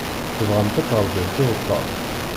Tebɣamt ad tṛebbimt iwtal.